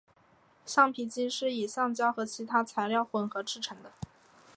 橡皮筋是以橡胶和其他材料混合制成的。